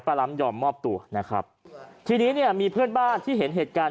ล้ำยอมมอบตัวนะครับทีนี้เนี่ยมีเพื่อนบ้านที่เห็นเหตุการณ์